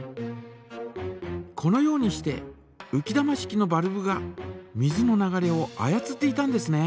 このようにしてうき玉式のバルブが水の流れを操っていたんですね。